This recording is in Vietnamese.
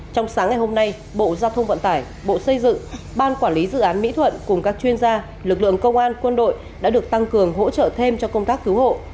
trong sáng ngày hôm nay bộ giao thông vận tải bộ xây dựng ban quản lý dự án mỹ thuận cùng các chuyên gia lực lượng công an quân đội đã được tăng cường hỗ trợ thêm cho công tác cứu hộ